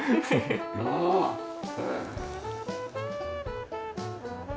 ああへえ。